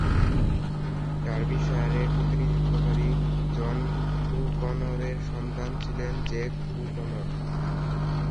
ডার্বিশায়ারের প্রতিনিধিত্বকারী জন ও’কনরের সন্তান ছিলেন জ্যাক ও’কনর।